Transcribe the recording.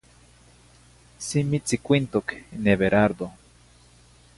Simi tzicuintoc n Everardo.